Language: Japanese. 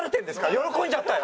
喜んじゃったよ！